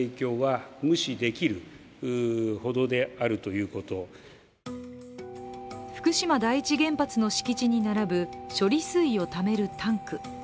計画の検証結果は福島第一原発の敷地に並ぶ処理水をためるタンク。